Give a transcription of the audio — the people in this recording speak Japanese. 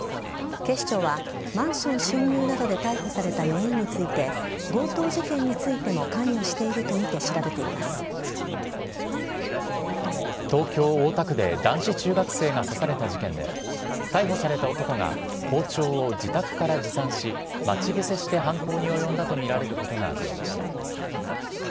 警視庁はマンション侵入などで逮捕された４人について強盗事件についても東京・大田区で男子中学生が刺された事件で逮捕された男が包丁を自宅から持参し待ち伏せして犯行に及んだとみられることが分かりました。